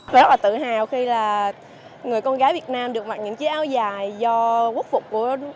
rất là tự hào khi là người con gái việt nam được mặc những chiếc áo dài do quốc phục của